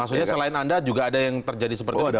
maksudnya selain anda juga ada yang terjadi seperti itu